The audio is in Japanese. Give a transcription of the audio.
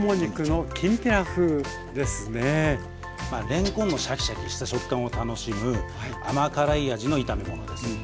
れんこんのシャキシャキした食感を楽しむ甘辛い味の炒め物です。